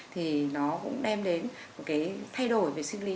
thì nó cũng đem đến cái thay đổi về sinh lý